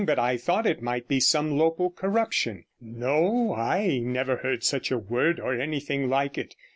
But I thought it might be some local corruption.' 'No, I never heard such a word, or anything like it.